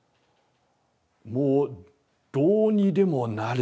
もうどうにでもなれ。